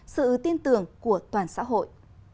sự tin tưởng của toàn xã hội